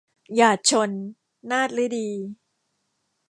หยาดชล - นาถฤดี